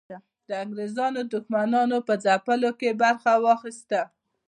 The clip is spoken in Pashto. د انګریزانو دښمنانو په ځپلو کې برخه واخیسته.